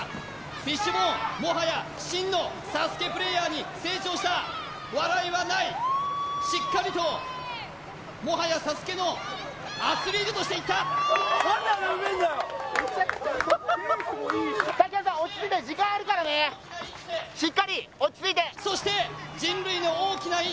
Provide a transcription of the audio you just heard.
フィッシュボーンもはや真のＳＡＳＵＫＥプレーヤーに成長した笑いはないしっかりともはやＳＡＳＵＫＥのアスリートとしていったああーっああーっ